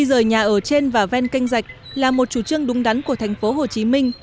di rời nhà ở trên và ven canh rạch là một chủ trương đúng đắn của thành phố hồ chí minh